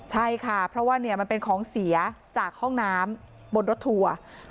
ใช่ค่ะเพราะว่ามันเป็นของเสียจากห้องน้ำบนรถทัวร์